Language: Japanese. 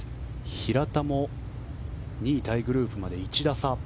平田も２位タイグループまで１打差。